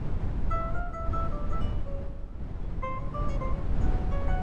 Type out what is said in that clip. Comenzó su carrera periodística como redactor especial de Editorial Atlántida.